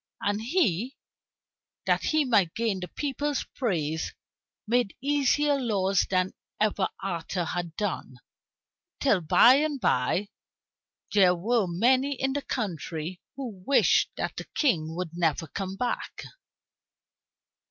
And he, that he might gain the people's praise, made easier laws than ever Arthur had done, till by and by there were many in the country who wished that the King would never come back.